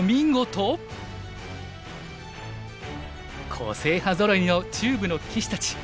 個性派ぞろいの中部の棋士たち。